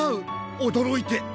おどろいて！